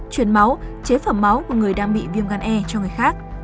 chuyển máu chế phẩm máu của người đang bị viêm gan e cho người khác